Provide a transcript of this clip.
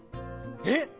えっ！？